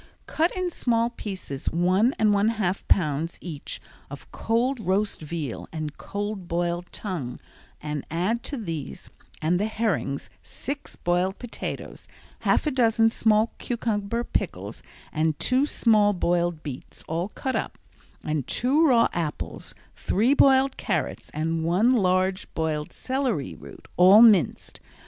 Cut in small pieces one and one half pounds each of cold roast veal and cold boiled tongue and add to these and the herrings six boiled potatoes, half a dozen small cucumber pickles and two small boiled beets, all cut up, and two raw apples, three boiled carrots and one large boiled celery root, all minced.